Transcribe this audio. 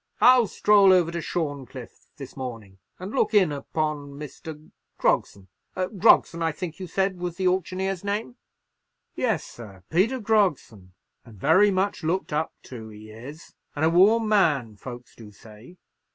"I'll stroll over to Shorncliffe, this morning, and look in upon Mr. Grogson—Grogson, I think you said was the auctioneer's name?" "Yes, sir; Peter Grogson, and very much looked up to he is, and a warm man, folks do say.